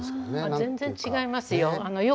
全然違いますよ。